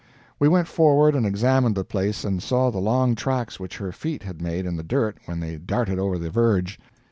We went forward and examined the place and saw the long tracks which her feet had made in the dirt when they darted over the verge.